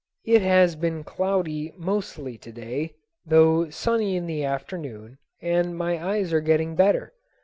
It has been cloudy mostly to day, though sunny in the afternoon, and my eyes are getting better.